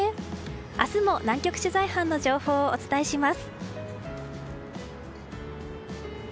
明日も南極取材班の情報をお伝えします。